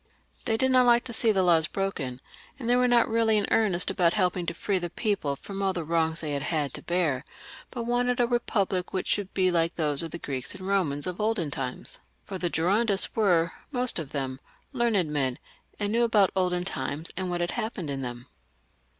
They did not like to see the laws broken, and they were not really in earnest about helping to free XLix.] THE REVOLUTION, 409 the people from all the wrongs they had had to bear, but wanted a republic which would be like those of the Greeks and Bomans of old times ; for the Girondists were most of them leamied men, and knew about old times and what had happened in them.